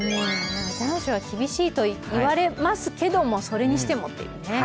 残暑厳しいと言われますけども、それにしてもというね。